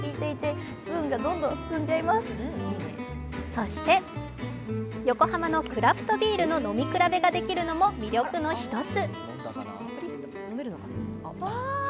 そして横浜のクラフトビールの飲み比べができるのも魅力の一つ。